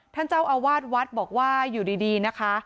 ท่านเจ้าอาวาสวัดบอกว่าอยู่ดีนะคะ